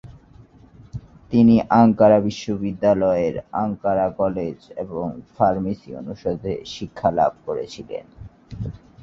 তিনি আঙ্কারা বিশ্ববিদ্যালয়ের Ankara college এবং ফার্মেসি অনুষদে শিক্ষালাভ করেছিলেন।